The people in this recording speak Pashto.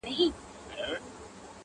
يوه ورځ وو د سرکار دام ته لوېدلى.!